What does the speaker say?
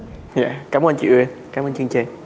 dạ cảm ơn chị uyên cảm ơn chương trình